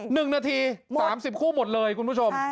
๑นาที๓๐คู่หมดเลยคุณผู้ชม